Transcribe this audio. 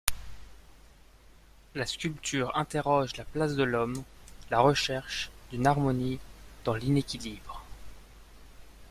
La sculpture interroge la place de l’homme, la recherche d’une harmonie dans l’inéquilibre.